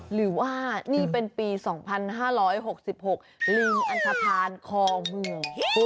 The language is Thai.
หรือว่านี่เป็นปี๒๕๖๖ลิงอัศพานของหมื่น